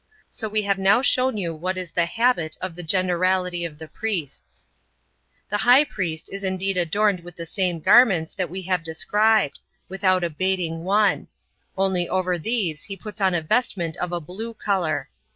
So we have now shown you what is the habit of the generality of the priests. 4. The high priest is indeed adorned with the same garments that we have described, without abating one; only over these he puts on a vestment of a blue color.